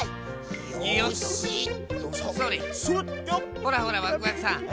ほらほらワクワクさんどう？